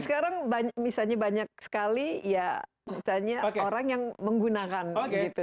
sekarang misalnya banyak sekali ya misalnya orang yang menggunakan gitu